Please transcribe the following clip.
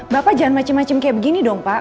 bapak jangan macem macem kayak begini dong pak